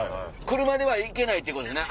車では行けないってことですね